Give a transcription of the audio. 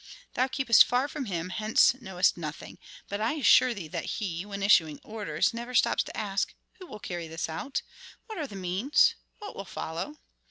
Thou keepest far from him, hence knowest nothing; but I assure thee that he, when issuing orders, never stops to ask: Who will carry out this? What are the means? What will follow?